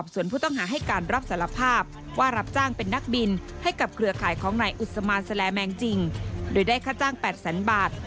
สแหลแมงจริงโดยได้ค่าจ้าง๘สันบาท